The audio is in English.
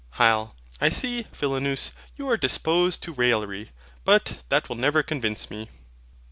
HYL. I see, Philonous, you are disposed to raillery; but that will never convince me.